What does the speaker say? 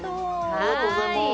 ありがとうございます